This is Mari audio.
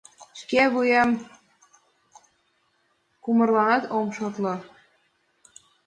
Шке вуем кумырланат ом шотло...